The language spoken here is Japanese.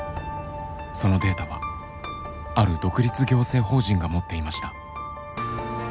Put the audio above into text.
そのデータはある独立行政法人が持っていました。